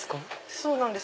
そうなんです。